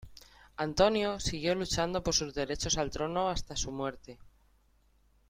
Antonio siguió luchando por sus derechos al trono hasta su muerte.